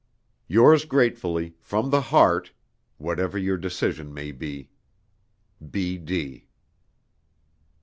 "Yours gratefully, from the heart, whatever your decision may be. B.